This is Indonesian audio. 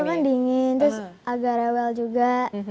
itu kan dingin terus agak rewel juga